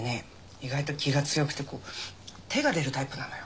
意外と気が強くてこう手が出るタイプなのよ